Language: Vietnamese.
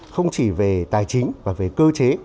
không chỉ về tài chính và về cơ chế